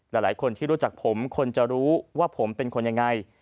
หลายคนที่รู้จักผมคนจะรู้ว่าผมเป็นคนยังไง